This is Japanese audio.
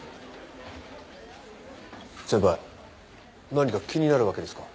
先輩何か気になるわけですか？